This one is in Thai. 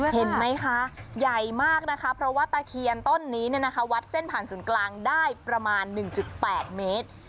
เห็นไหมคะใหญ่มากนะคะเพราะว่าตะเคียนต้นนี้วัดเส้นผ่านศูนย์กลางได้ประมาณ๑๘เมตร